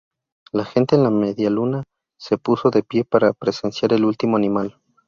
La gente en la medialuna se puso de pie para presenciar el último animal.